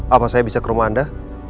apa saya bisa ke rumah anda